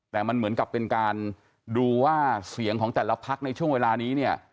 แต่มันเหมือนกับเป็นการดูว่าเสียงของแต่ละพักในช่วงเวลานี้เนี่ย